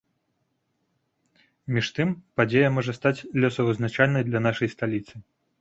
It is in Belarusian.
Між тым, падзея можа стаць лёсавызначальнай для нашай сталіцы.